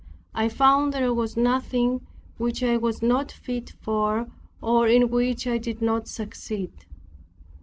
I found there was nothing which I was not fit for or in which I did not succeed.